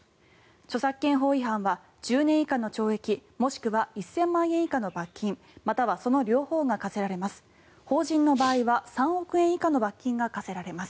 著作権法違反は１０年以下の懲役もしくは１０００万円以下の罰金またはその両方が科せられます。